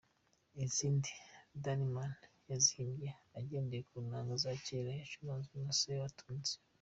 Izindi Danneman yazihimbye agendeye ku nanga za kera zacuranzwe na Sebatunzi.